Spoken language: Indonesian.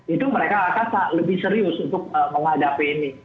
itu mereka akan lebih serius untuk menghadapi ini